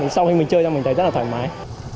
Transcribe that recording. sau khi mình chơi ra mình thấy rất là thoải mái